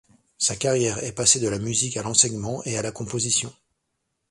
Sa carrière est passée de la musique à l'enseignement et à la composition.